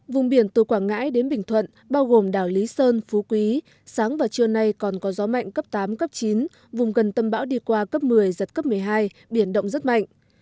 vùng biển từ quảng ngãi đến bình thuận bao gồm đảo lý sơn phú quý sáng và trưa nay còn có gió mạnh cấp tám cấp chín vùng gần tâm bão đi qua cấp một mươi giật cấp một mươi hai biển động rất mạnh